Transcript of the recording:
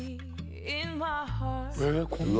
えっこんなの！？